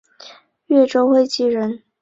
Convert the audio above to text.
越州会稽人。